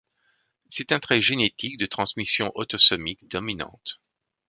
C’est un trait génétique de transmission autosomique dominante.